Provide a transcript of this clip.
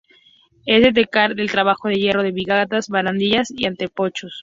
Es de destacar el trabajo en hierro de vigas, barandillas y antepechos.